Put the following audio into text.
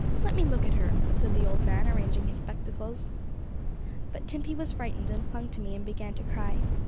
'Let me look at her,' said the old man, arranging his spectacles. But Timpey was frightened, and clung to me, and began to cry.